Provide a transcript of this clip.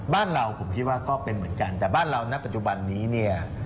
บ้านเราผมคิดว่าก็เป็นเหมือนกันแต่บ้านเราณปัจจุบันนี้เนี่ย